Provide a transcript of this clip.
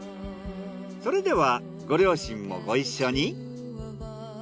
それではご両親もご一緒に。